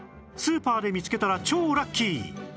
スーパーで見つけたら超ラッキー！